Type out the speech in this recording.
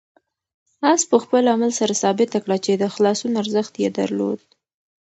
آس په خپل عمل سره ثابته کړه چې د خلاصون ارزښت یې درلود.